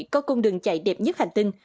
có cung đường chạy đẹp nhất hành tinh